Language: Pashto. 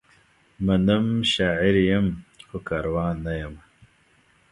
منم، شاعر یم؛ خو کاروان نه یمه